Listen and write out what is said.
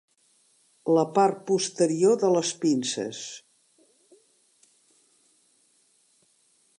La part posterior de les pinces.